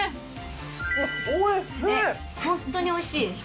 ホントにおいしいでしょ。